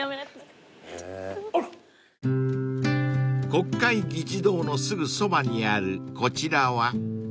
［国会議事堂のすぐそばにあるこちらは］